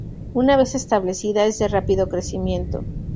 Una vez establecida, es de rápido crecimiento.